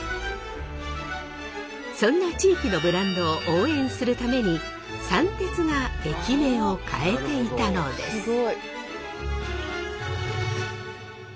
そんな地域のブランドを応援するために三鉄が駅名を変えていたのです。